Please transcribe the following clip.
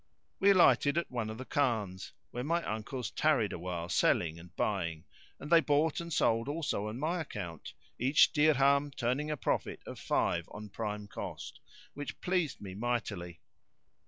We alighted at one of the Khans, where my uncles tarried awhile selling and buying; and they bought and sold also on my account, each dirham turning a profit of five on prime cost, which pleased me mightily.